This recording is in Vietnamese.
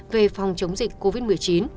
về phòng chống dịch covid một mươi chín